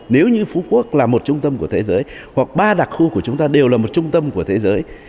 nếu như phú quốc là một trung tâm của thế giới hoặc ba đặc khu của chúng ta đều là một trung tâm của thế giới